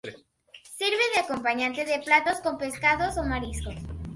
Sirve de acompañante de platos con pescados o mariscos.